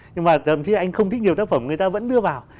nhưng mà đồng chí anh không thích nhiều tác phẩm người ta vẫn đưa vào